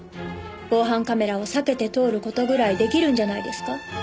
防犯カメラを避けて通る事ぐらい出来るんじゃないですか？